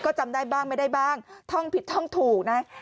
ก็จำได้บ้างไม่ได้บ้างท่องผิดท่องถูกนะ